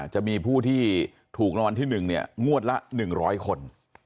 จะมีผู้ที่ถูกรางวัลที่๑งวดละ๑๐๐คน